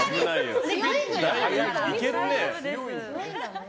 いけるね！